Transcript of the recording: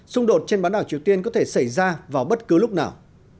xung đột trên bán đảo triều tiên có thể xảy ra vào bất cứ lúc nào